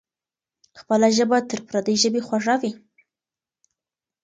خپله ژبه تر پردۍ ژبې خوږه وي.